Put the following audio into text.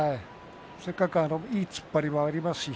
せっかくいい突っ張りもありますからね。